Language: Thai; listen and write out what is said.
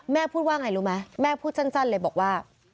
แม่พูดว่าไงรู้มั้ยแม่พูดจั้นเลยบอกว่า